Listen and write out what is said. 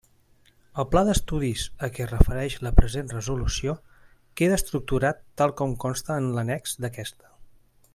El pla d'estudis a què es refereix la present resolució queda estructurat tal com consta en l'annex d'aquesta.